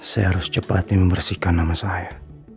saya harus cepatnya membersihkan nama saya